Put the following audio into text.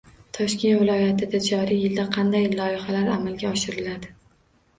Toshkent viloyatida joriy yilda qanday loyihalar amalga oshiriladi